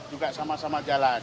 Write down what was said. juga sama sama jalan